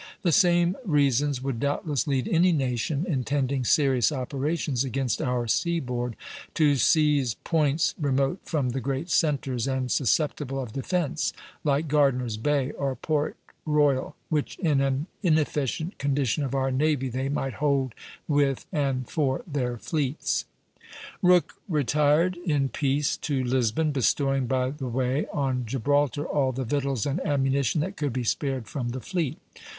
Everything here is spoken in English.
The same reasons would doubtless lead any nation intending serious operations against our seaboard, to seize points remote from the great centres and susceptible of defence, like Gardiner's Bay or Port Royal, which in an inefficient condition of our navy they might hold with and for their fleets. Rooke retired in peace to Lisbon, bestowing by the way on Gibraltar all the victuals and ammunition that could be spared from the fleet.